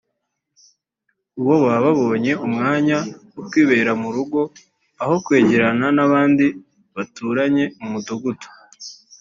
bo baba babonye umwanya wo kwibera mu rugo aho kwegerana n’abandi baturanye mu mudugudu